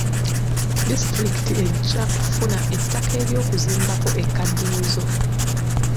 Distulikiti ejja kufuna ettaka ery'okuzimbako ekkaddiyizo.